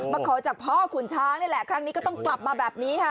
ขอจากพ่อขุนช้างนี่แหละครั้งนี้ก็ต้องกลับมาแบบนี้ค่ะ